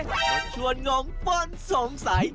กับชวนงงฟ้นสงสัย